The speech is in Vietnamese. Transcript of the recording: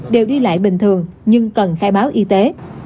đều đi lại bình thường nhưng cần khai báo y tế